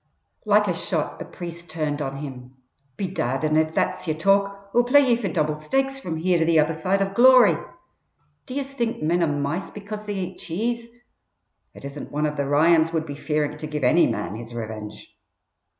Like a shot the priest turned on him. "Bedad, an' if that's yer talk, Oi'll play ye fer double stakes from here to the other side of glory. Do yez think men are mice because they eat cheese? It isn't one of the Ryans would be fearing to give any man his revinge!"